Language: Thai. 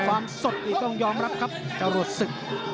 ความสดนี่ต้องยอมรับครับจรวดศึก